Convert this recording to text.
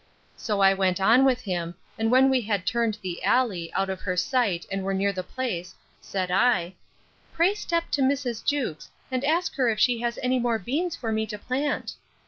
So I went on with him; and when we had turned the alley, out of her sight and were near the place said I, Pray step to Mrs. Jewkes, and ask her if she has any more beans for me to plant?